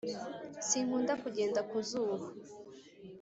Sinkunda kugenda ku zuba